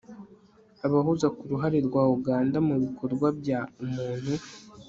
abahuza ku ruhare rwa uganda mu bikorwa bya umuntu